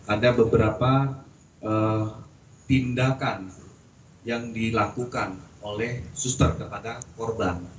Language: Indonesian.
ada beberapa tindakan yang dilakukan oleh suster kepada korban